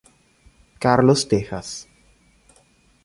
Carlos Tejas